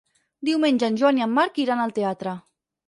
Diumenge en Joan i en Marc iran al teatre.